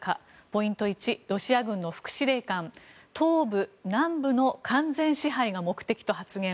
ポイント１、ロシア軍の副司令官東部南部の完全支配が目的と発言。